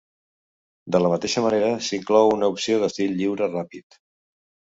De la mateixa manera, s'inclou una opció d’estil lliure ràpid.